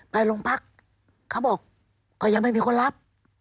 ไปโรงพักเขาบอกก็ยังไม่มีคนรับ